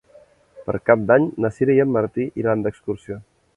Per Cap d'Any na Sira i en Martí iran d'excursió.